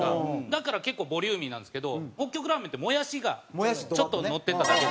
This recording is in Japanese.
だから結構ボリューミーなんですけど北極ラーメンってもやしがちょっとのってただけ。